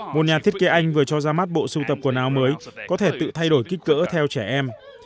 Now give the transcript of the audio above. một nhà thiết kế anh vừa cho ra mắt bộ sưu tập quần áo mới có thể tự thay đổi kích cỡ theo trẻ em